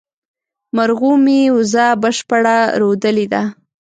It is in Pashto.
مرغومي، وزه بشپړه رودلې ده